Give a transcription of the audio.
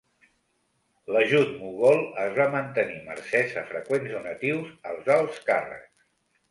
L'ajut mogol es va mantenir mercès a freqüents donatius als alts càrrecs.